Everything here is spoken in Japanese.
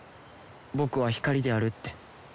僕は光であるって。